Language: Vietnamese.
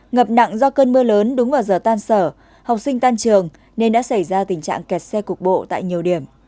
ngập nặng do cơn mưa lớn đúng vào giờ tan sở học sinh tan trường nên đã xảy ra tình trạng kẹt xe cục bộ tại nhiều điểm